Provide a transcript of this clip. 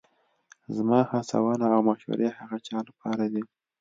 زما هڅونه او مشورې هغه چا لپاره دي